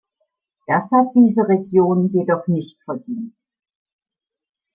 Das hat diese Region jedoch nicht verdient.